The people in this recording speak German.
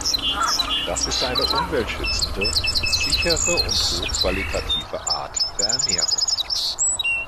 Das ist eine umweltschützende, sichere und hochqualitative Art der Ernährung.